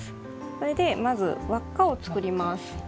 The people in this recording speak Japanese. それでまず輪っかを作ります。